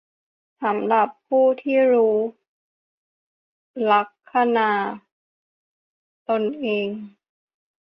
สำหรับผู้ที่รู้ลัคนาตนเอง